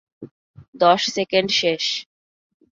দশ সেকেন্ড শেষ।